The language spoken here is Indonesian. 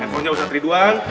handphonenya ustadz ridwan